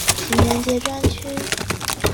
情人節專區